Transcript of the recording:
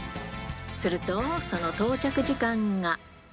すると、その到着時間が。